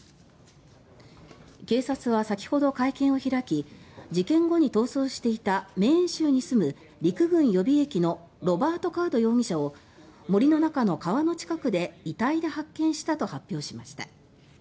警察は先ほど会見を開き事件後に逃走していたメーン州に住む陸軍予備役のロバート・カード容疑者を森の中の川の近くで遺体で発見したと発表しました。